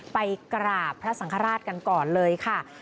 ไปกราบพระสังฆราชกันก่อนเลยค่ะ